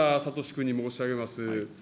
君に申し上げます。